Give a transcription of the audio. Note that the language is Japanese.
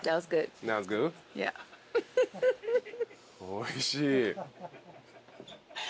おいしい。